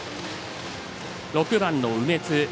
６番の梅津。